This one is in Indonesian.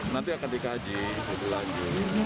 nanti akan dikaji dibelanjir